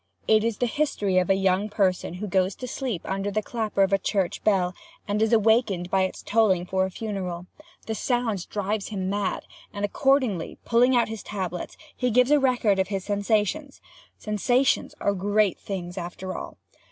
It is the history of a young person who goes to sleep under the clapper of a church bell, and is awakened by its tolling for a funeral. The sound drives him mad, and, accordingly, pulling out his tablets, he gives a record of his sensations. Sensations are the great things after all.